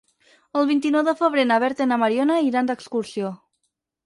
El vint-i-nou de febrer na Berta i na Mariona iran d'excursió.